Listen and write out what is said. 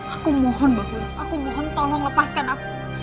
aku mohon bapak aku mohon tolong lepaskan aku